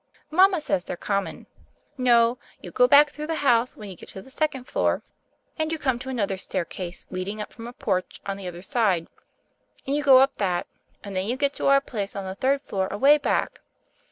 Mama says they're common. No, you go back through the house when you get to the second floor, and you come 1 6 THE FAIRY OF THE SNOWS to another staircase leading up from a porch on the other side, and you go up that, and then you get to our place on the third floor away back.